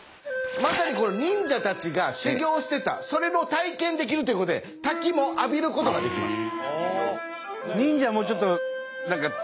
まさに忍者たちが修行してたそれの体験できるということで滝も浴びることができます。